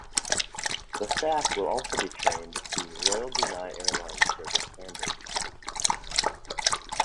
The staff will also be trained to Royal Brunei Airlines service standards.